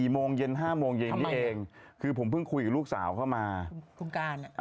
โมงเย็น๕โมงเย็นนี่เองคือผมเพิ่งคุยกับลูกสาวเข้ามาคุณการ